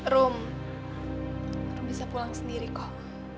rum rum bisa pulang sendiri kok